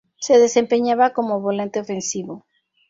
Se desempeñaba como volante ofensivo.